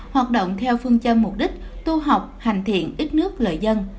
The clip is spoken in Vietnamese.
hoạt động theo phương châm mục đích tu học hành thiện ít nước lợi dân